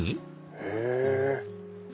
へぇ。